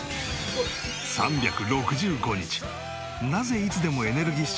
３６５日なぜいつでもエネルギッシュでいられるのか？